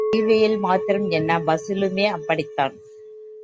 ரயில்வேயில் மாத்திரம் என்ன, பஸ்ஸிலுமே அப்படித்தான்.